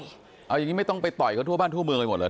อย่างนี้ไม่ต้องไปต่อยเค้าทั่วบ้านทั่วเมืองเลยหมดหรือ